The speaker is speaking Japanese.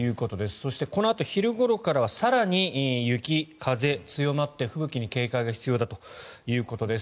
そしてこのあと昼ごろからは更に雪、風強まって吹雪に警戒が必要だということです。